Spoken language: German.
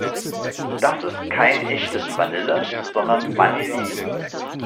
Das ist kein echtes Vanille, sondern Vanillin.